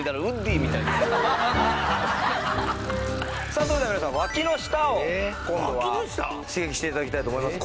さあそれでは皆さんわきの下を今度は刺激して頂きたいと思います。